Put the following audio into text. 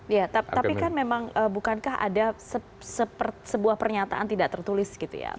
ya tapi kan memang bukankah ada sebuah pernyataan tidak tertulis gitu ya